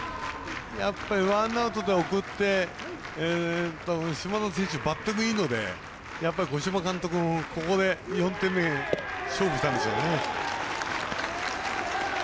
ワンアウトで送って島田選手、バッティングいいので五島監督もここで４点目勝負したんでしょうね。